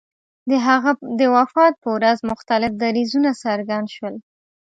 د هغه د وفات په ورځ مختلف دریځونه څرګند شول.